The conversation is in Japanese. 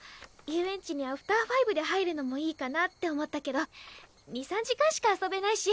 遊園地にアフター５で入るのもいいかなって思ったけど２３時間しか遊べないし。